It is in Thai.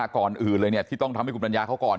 ก่อนอื่นเลยเนี่ยที่ต้องทำให้กลุ่มรัญญาเขาก่อน